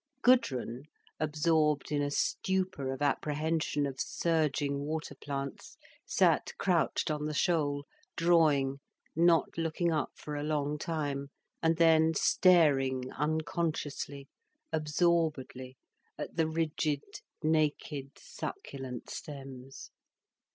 Gudrun, absorbed in a stupor of apprehension of surging water plants, sat crouched on the shoal, drawing, not looking up for a long time, and then staring unconsciously, absorbedly at the rigid, naked, succulent stems.